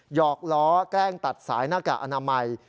หอกล้อแกล้งตัดสายหน้ากากอนามัย